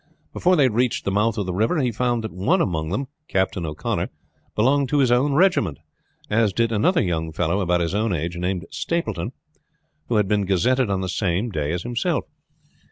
Before they had reached the mouth of the river he found that one among them Captain O'Connor, belonged to his own regiment, as did another young fellow about his own age named Stapleton, who had been gazetted on the same day as himself.